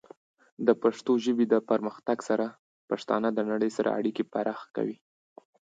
د پښتو ژبې د پرمختګ سره، پښتانه د نړۍ سره اړیکې پراخه کوي.